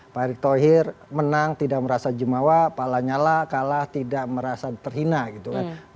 pak erick thohir menang tidak merasa jemawa pak lanyala kalah tidak merasa terhina gitu kan